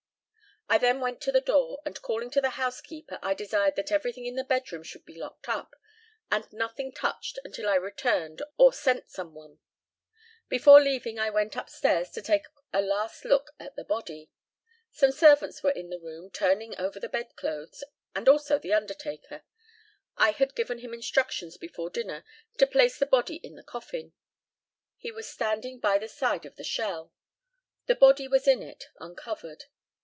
I then went to the door, and calling to the housekeeper, I desired that everything in the bedroom should be locked up, and nothing touched until I returned or sent some one. Before leaving I went up stairs to take a last look at the body. Some servants were in the room, turning over the bed clothes, and also the undertaker. I had given him instructions before dinner to place the body in the coffin. He was standing by the side of the shell. The body was in it, uncovered.